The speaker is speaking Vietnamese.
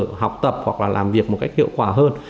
những giờ học tập hoặc là làm việc một cách hiệu quả hơn